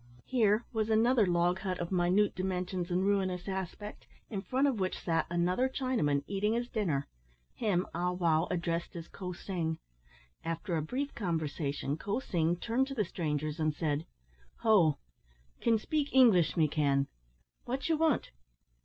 Here was another log hut of minute dimensions and ruinous aspect, in front of which sat another Chinaman, eating his dinner. Him Ah wow addressed as Ko sing. After a brief conversation, Ko sing turned to the strangers, and said "Ho! Kin speek English, me can. What you want?"